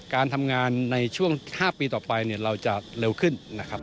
การทำงาน๕ปีต่อไปเราจะเร็วขึ้น